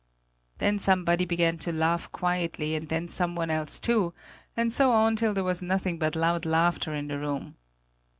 Then somebody began to laugh quietly, and then someone else too, and so on till there was nothing but loud laughter in the room.